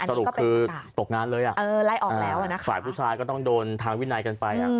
สรุปคือตกงานเลยอ่ะสายผู้ชายก็ต้องโดนทางวินัยกันไปอ่ะ